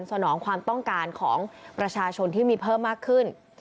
สนองความต้องการของประชาชนที่มีเพิ่มมากขึ้น